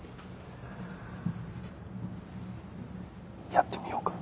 やってみようか。